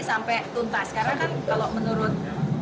sekarang kan kalau menurut